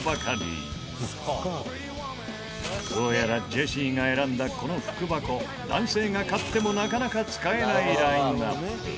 どうやらジェシーが選んだこの福箱男性が買ってもなかなか使えないラインアップ。